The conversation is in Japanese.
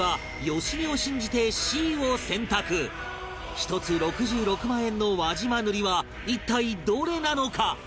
１つ６６万円の輪島塗は一体どれなのか？